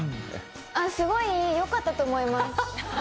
あのすごい良かったと思います。